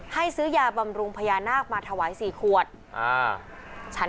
ให้ซื้อยาบำรุงพญานาคมาถวาย๔ขวดอ่าฉัน